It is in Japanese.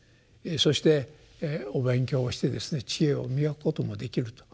そしてお勉強をしてですね智慧を磨くこともできると。